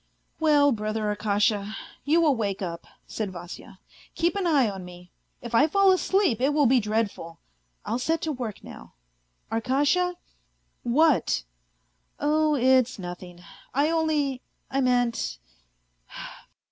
" Well, brother Arkasha, you will wake up," said Vasya, " keep an eye on me ; if I fall asleep it will be dreadful. I'll set to work now. ... Arkasha ?"" What ?"" Oh, it's nothing, I only ... I meant.